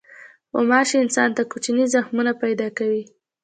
غوماشې انسان ته کوچني زخمونه پیدا کوي.